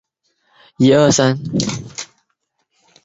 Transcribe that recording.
透射系数是透射值与入射值的比率。